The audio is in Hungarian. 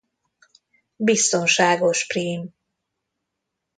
Biztonságos prím.